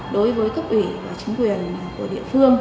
đối với cấp ủy và chính quyền của địa phương